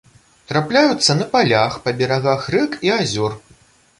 Трапляюцца на палях, па берагах рэк і азёр.